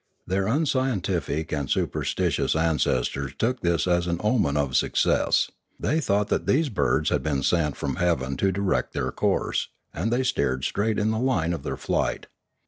Their unscientific and superstitious ancestors took this as an omen of suc cess; they thought that these birds had been sent from heaven to direct their course, and they steered straight in the line of their flight.